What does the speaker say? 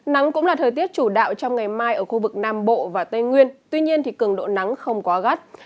nắng cũng là thời tiết chủ đạo trong ngày mai ở khu vực nam bộ và tây nguyên tuy nhiên cường độ nắng không quá gắt